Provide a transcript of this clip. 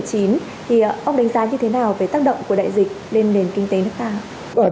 thì ông đánh giá như thế nào về tác động của đại dịch lên nền kinh tế nước ta